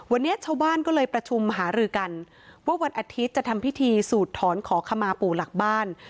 วันนี้ชาวบ้านก็เลยประชุมหารือกันว่าวันอาทิตย์จะทำพิธีสูดถอนขอขมาปู่หลักบ้าน